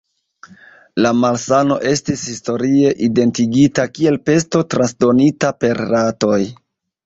La malsano estis historie identigita kiel pesto transdonita per ratoj.